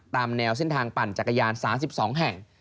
ตามแนวเส้นทางปั่นจักรยาน๓๒แห่ง